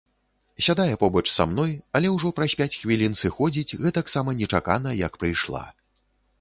Сядае побач са мной, але ўжо праз пяць хвілін сыходзіць гэтаксама нечакана, як прыйшла.